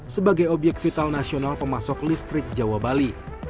sebagai obyek vital nasional pemasok listrik jawa bali